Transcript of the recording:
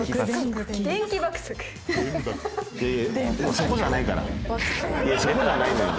そこじゃないのよ。